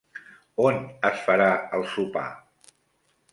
On es farà el sopar?